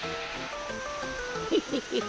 フフフフ。